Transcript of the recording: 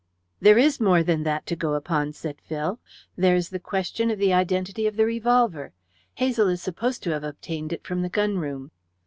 "There is more than that to go upon," said Phil. "There is the question of the identity of the revolver. Hazel is supposed to have obtained it from the gun room."